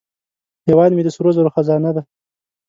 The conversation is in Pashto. هیواد مې د سرو زرو خزانه ده